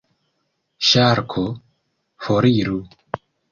Ŝarko: "Foriru."